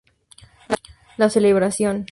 La celebración.